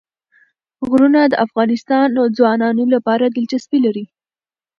غرونه د افغان ځوانانو لپاره دلچسپي لري.